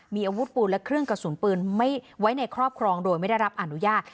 มีอาวุธปืนและเครื่องกระสุนปืนไว้ในครอบครองโดยไม่ได้รับอนุญาต